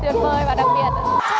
tuyệt vời và đặc biệt